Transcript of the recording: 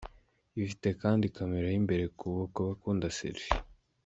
ifite kandi camera y’imbere kubakunda selfie.